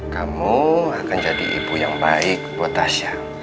kamu akan jadi ibu yang baik buat tasya